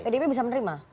pdb bisa menerima